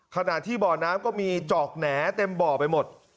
ขนาดที่เบาะน้ำก็มีเจาะแหน่เต็มเบาะไปหมด